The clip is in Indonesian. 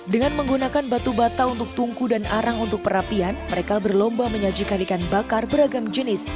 dengan menggunakan batu bata untuk tungku dan arang untuk perapian mereka berlomba menyajikan ikan bakar beragam jenis